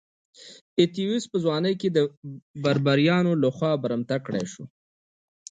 اتیوس په ځوانۍ کې د بربریانو لخوا برمته کړای شو.